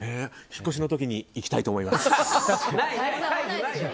引っ越しの時に行きたいと思います。